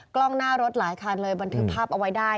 กล้องหน้ารถหลายคันเลยบันทึกภาพเอาไว้ได้